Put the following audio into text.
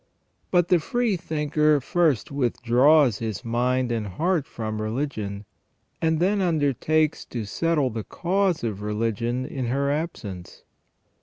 But the free thinker first withdraws his mind and heart from religion, and then undertakes to settle the cause of religion in her absence.